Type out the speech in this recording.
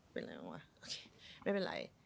เป็นอะไรวะไม่เป็นไร